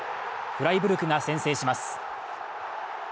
フライブルクが先制します。